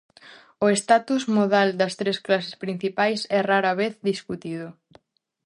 O status modal das tres clases principais é rara vez discutido.